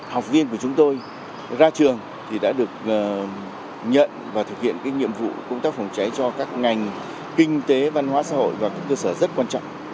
học viên của chúng tôi ra trường thì đã được nhận và thực hiện nhiệm vụ công tác phòng cháy cho các ngành kinh tế văn hóa xã hội và các cơ sở rất quan trọng